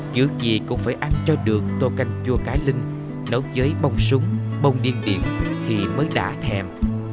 chứ gì cũng phải ăn cho được tô canh chua cái linh nấu chế bông súng bông điên điện thì mới đã thèm